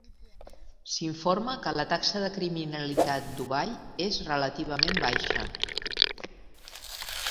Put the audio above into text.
S'informa que la taxa de criminalitat d'Ubay és relativament baixa.